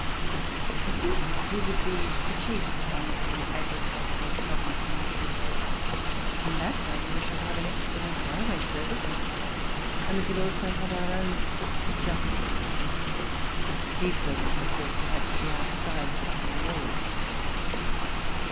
I think we would be the chief town of the agricultural province in which we dwelt. In that way we should have an excellent railway service and we could also have our own courts of justice. These buildings, of course, would have to be outside the town walls.